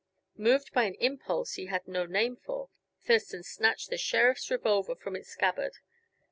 Moved by an impulse he had no name for, Thurston snatched the sheriff's revolver from its scabbard.